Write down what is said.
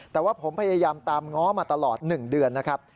แต่ว่าผมพยายามตามง้อมาตลอด๑เดือนนะครับ